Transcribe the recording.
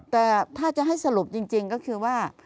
แต่ถ้าจะให้สรุปจริงก็คือว่า